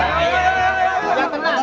abundancy sampai diem